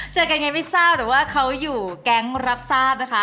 เจอกันไงไม่ทราบแต่ว่าเขาอยู่แก๊งรับทราบนะคะ